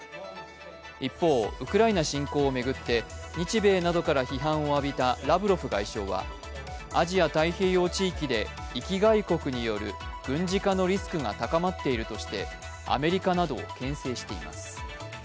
一方、ウクライナ侵攻を巡って日米などから批判を浴びたラブロフ外相はアジア太平洋地域で域外国による軍事化のリスクが高まっているとして、アメリカなどをけん制しています。